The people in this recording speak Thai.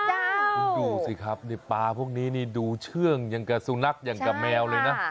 คุณดูสิครับปลาพวกนี้นี่ดูเชื่องอย่างกับสุนัขอย่างกับแมวเลยนะ